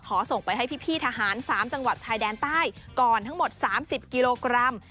ส่งไปให้พี่ทหาร๓จังหวัดชายแดนใต้ก่อนทั้งหมด๓๐กิโลกรัม